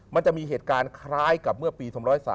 มันจะมีเหตุการณ์คล้ายกับเมื่อปี๒๐๓